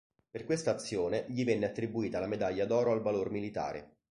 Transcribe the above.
Per questa azione gli venne attribuita la Medaglia d'oro al valor militare.